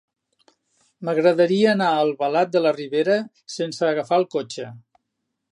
M'agradaria anar a Albalat de la Ribera sense agafar el cotxe.